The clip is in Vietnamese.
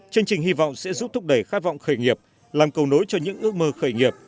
chương trình hy vọng sẽ giúp thúc đẩy khát vọng khởi nghiệp làm cầu nối cho những ước mơ khởi nghiệp